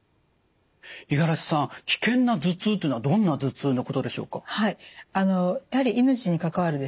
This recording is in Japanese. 五十嵐さん危険な頭痛というのはどんな頭痛のことでしょうか？